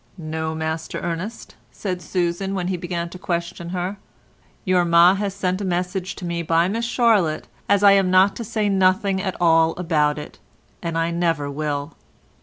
"No, Master Ernest," said Susan, when he began to question her, "your ma has sent a message to me by Miss Charlotte as I am not to say nothing at all about it, and I never will."